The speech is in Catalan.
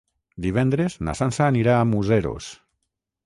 Divendres na Sança anirà a Museros.